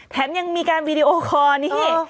แถมยังมีการวีดีโอคอร์นี่